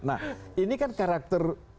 nah ini kan karakter